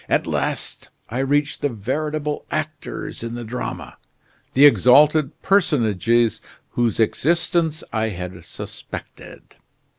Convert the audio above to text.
At last I reach the veritable actors in the drama, the exalted personages whose existence I had suspected.